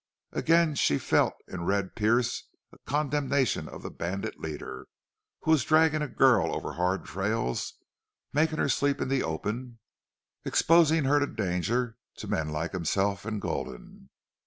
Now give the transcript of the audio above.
Again she felt in Red Pearce a condemnation of the bandit leader who was dragging a girl over hard trails, making her sleep in the open, exposing her to danger and to men like himself and Gulden.